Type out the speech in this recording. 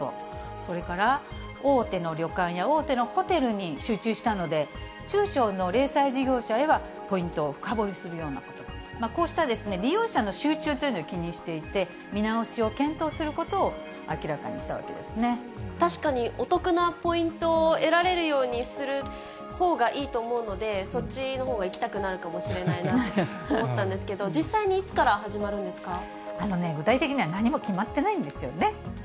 それから大手の旅館や大手のホテルに集中したので、中小の零細事業者へはポイントを深掘りするようなこと、こうした利用者の集中というのを気にしていて、見直しを検討することを明確かにお得なポイントを得られるようにするほうがいいと思うので、そっちのほうが行きたくなるかもしれないなと思ったんですけど、実際にいつから始まるんで具体的には何も決まってないんですよね。